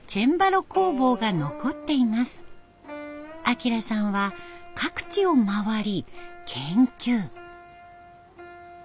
彰さんは各地を回り研究。